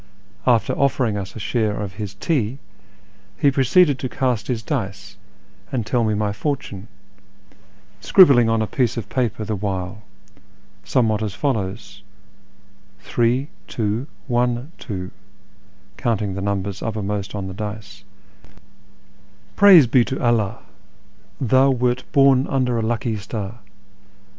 After offering us a share of his tea, he proceeded to cast his dice and tell me my fortune, scribbling on a piece of paper the while, somewhat as follows :—" Three, tioo, one, two " (counting the numbers uppermost on the dice), " Praise be to AlliUi ! thou wert born under a lucky star.